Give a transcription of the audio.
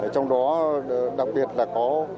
trong đó đặc biệt là có